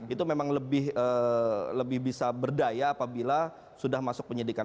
itu memang lebih bisa berdaya apabila sudah masuk penyidikan